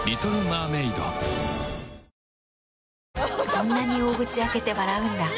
そんなに大口開けて笑うんだ。